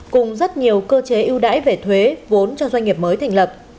cùng rất nhiều cơ chế ưu đãi về thuế vốn cho doanh nghiệp mới thành lập